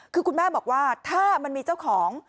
คือคุณแม่บอกว่าถ้ามันมีเจ้าของ